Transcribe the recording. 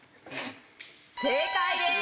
正解です。